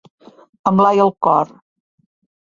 Amb l'ai al cor.